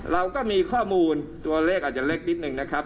เราก็มีข้อมูลตัวเลขอาจจะเล็กนิดนึงนะครับ